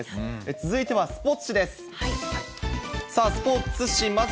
続いてはスポーツ紙です。